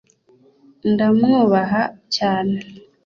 Ndamwubaha cyane